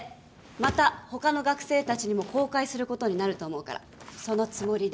また他の学生たちにも公開することになると思うからそのつもりで。